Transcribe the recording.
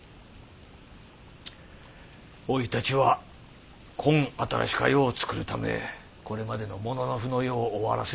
おいたちはこん新しか世を作るためこれまでの武士の世を終わらせもした。